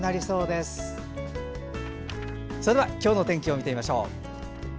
それでは今日の天気を見てみましょう。